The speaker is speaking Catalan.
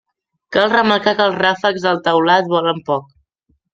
Cal remarcar que els ràfecs del teulat volen poc.